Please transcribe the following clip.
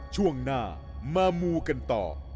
ช่วงหน้ามามูกันต่อ